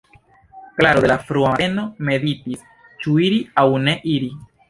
Klaro de la frua mateno meditis: ĉu iri, aŭ ne iri?